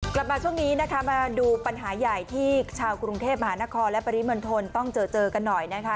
กลับมาช่วงนี้นะคะมาดูปัญหาใหญ่ที่ชาวกรุงเทพมหานครและปริมณฑลต้องเจอเจอกันหน่อยนะคะ